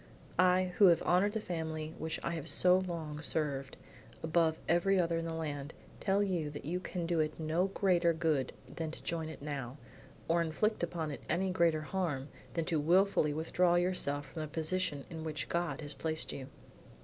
"I, who have honored the family which I have so long served, above every other in the land, tell you that you can do it no greater good than to join it now, or inflict upon it any greater harm than to wilfully withdraw yourself from the position in which God has placed you."